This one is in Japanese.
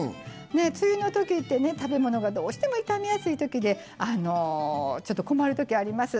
梅雨のときって食べ物がどうしても傷みやすいときでちょっと困るときあります。